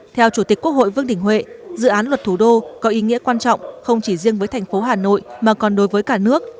theo chủ tịch quốc hội vương đình huệ dự án luật thủ đô có ý nghĩa quan trọng không chỉ riêng với thành phố hà nội mà còn đối với cả nước